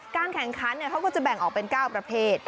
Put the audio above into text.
แข่งขันเขาก็จะแบ่งออกเป็น๙ประเภท